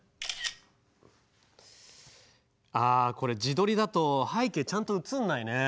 ああこれ自撮りだと背景ちゃんと写んないね。